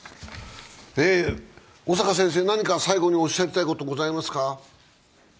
小坂先生、何か最後におっしゃりたいことはございますか？